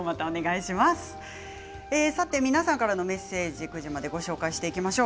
皆さんからのメッセージ９時までご紹介していきましょう。